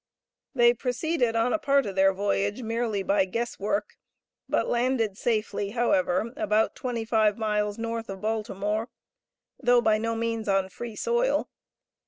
They proceeded on a part of their voyage merely by guess work, but landed safely, however, about twenty five miles north of Baltimore, though, by no means, on free soil.